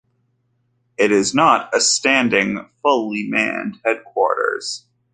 It is not a standing, fully manned Headquarters.